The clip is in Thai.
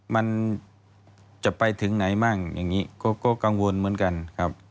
มันจะไปถึงไหนบ้างอย่างนี้ก็กังวลเหมือนกันครับ